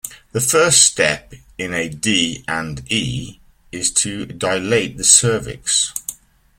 The first step in a D and E is to dilate the cervix.